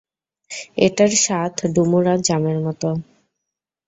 এটার স্বাদ ডুমুর আর জামের মতো।